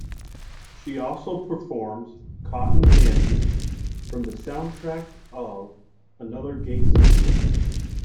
She also performs "Cotton Candy", from the soundtrack of "Another Gay Sequel".